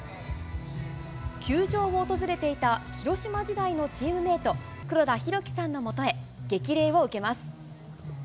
球場を訪れていた広島時代のチームメート、黒田博樹さんのもとへ、激励を受けます。